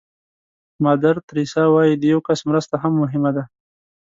مادر تریسیا وایي د یو کس مرسته هم مهمه ده.